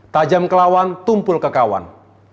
tajam ke lawan tumpul ke kawan